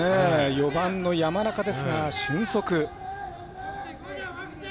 ４番の山中ですが俊足。